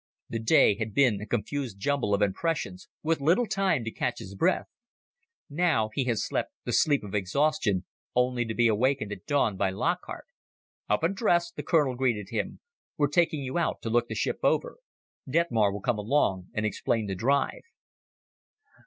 The day had been a confused jumble of impressions, with little time to catch his breath. Now he had slept the sleep of exhaustion, only to be awakened at dawn by Lockhart. "Up and dress," the colonel greeted him. "We're taking you out to look the ship over. Detmar will come along and explain the drive."